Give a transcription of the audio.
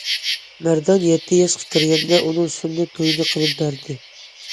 مەردان يەتتە ياشقا كىرگەندە ئۇنىڭ سۈننەت تويىنى قىلىپ بەردى.